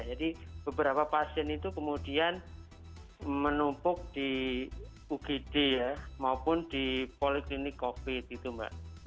jadi beberapa pasien itu kemudian menumpuk di ugd ya maupun di poliklinik covid gitu mbak